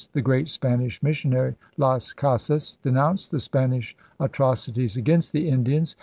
The great Spanish missionary Las Casas denounced the Spanish atrocities against the Indians.